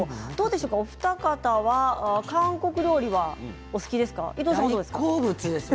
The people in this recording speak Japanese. お二方は韓国料理大好物です。